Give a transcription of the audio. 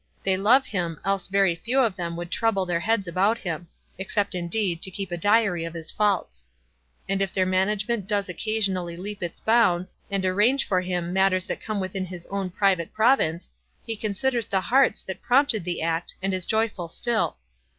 They love him, else very few of them would trouble their heads about him, except, indeed, to keep a diary of his faults. And if their management does occasionally leap its bounds, and arrange for him matters that come within his own private prov ince, he considers the hearts that prompted the act, and is joyful still.